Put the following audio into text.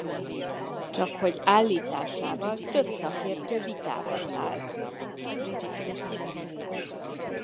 Csakhogy állításával több szakértő vitába száll.